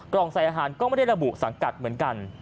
ใส่อาหารก็ไม่ได้ระบุสังกัดเหมือนกัน